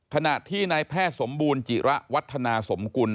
ขณะที่นายแพทย์สมบูรณ์จิระวัฒนาสมกุล